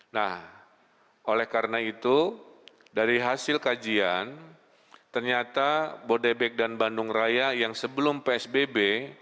nah oleh karena itu dari hasil kajian ternyata bodebek dan bandung raya yang sebelum psbb